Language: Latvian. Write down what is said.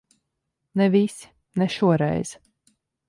Ne visi. Ne šoreiz.